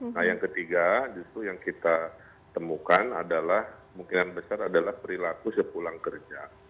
nah yang ketiga justru yang kita temukan adalah kemungkinan besar adalah perilaku sepulang kerja